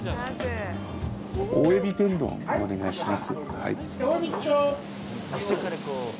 大海老天丼をお願いします。